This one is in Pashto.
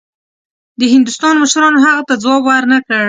د هندوستان مشرانو هغه ته ځواب ورنه کړ.